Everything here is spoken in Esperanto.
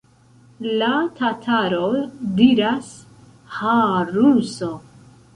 La tataro diras: Ha, ruso!